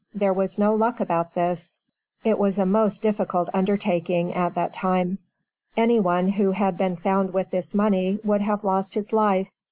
There was no luck about this; it was a most difficult undertaking at that time. Any one who had been found with this money would have lost his life.